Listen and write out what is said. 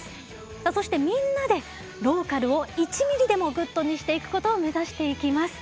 さあそしてみんなでローカルを１ミリでもグッドにしていくことを目指していきます。